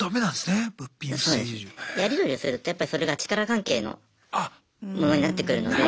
やり取りをするとやっぱそれが力関係のものになってくるので。